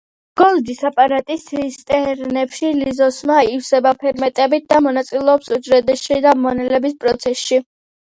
გოლჯის აპარატის ცისტერნებში ლიზოსომა ივსება ფერმენტებით და მონაწილეობს უჯრედშიდა მონელების პროცესში.